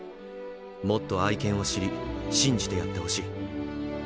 もっと愛犬を知り信じてやってほしい。